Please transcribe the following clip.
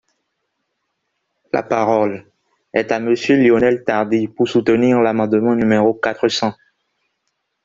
La parole est à Monsieur Lionel Tardy, pour soutenir l’amendement numéro quatre cents.